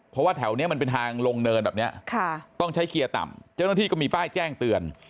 เพราะว่าแถวนี้มันเป็นทางลงเนินแบบนี้ต้องใช้เกียร์ต่ำเจ้าหน้าที่ก็มีป้ายแจ้งเตือน